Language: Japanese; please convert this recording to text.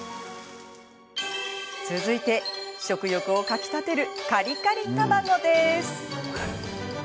続いて、食欲をかきたてるカリカリ卵です。